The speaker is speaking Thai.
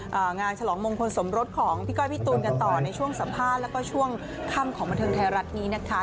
งานฉลองมงคลสมรสของพี่ก้อยพี่ตูนกันต่อในช่วงสัมภาษณ์แล้วก็ช่วงค่ำของบันเทิงไทยรัฐนี้นะคะ